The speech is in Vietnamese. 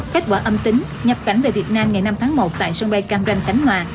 kết quả âm tính nhập cảnh về việt nam ngày năm tháng một tại sân bay cam ranh khánh hòa